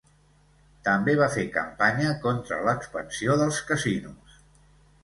També va fer campanya contra l'expansió dels casinos.